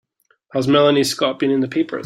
Has Melanie Scott been in the papers?